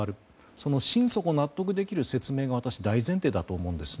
その心底、納得できる説明が私は大前提だと思います。